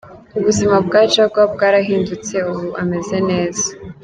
Ubuzima bwa Jaguar bwarahindutse ubu ameze neza.